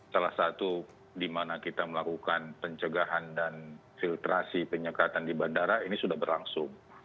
salah satu di mana kita melakukan pencegahan dan filtrasi penyekatan di bandara ini sudah berlangsung